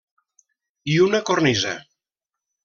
I una cornisa.